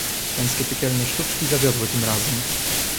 "Pańskie piekielne sztuczki zawiodły tym razem."